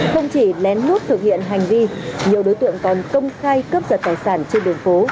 không chỉ lén lút thực hiện hành vi nhiều đối tượng còn công khai cấp giật tài sản trên đường phố